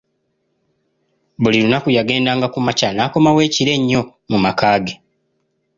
Buli lunaku yagenda nga kumakya n'akomawo ekiro ennyo mu maka ge.